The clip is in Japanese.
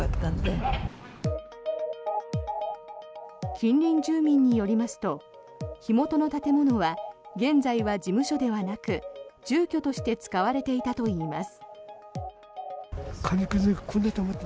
近隣住民によりますと火元の建物は現在は事務所ではなく住居として使われていたといいます。